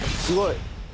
すごい。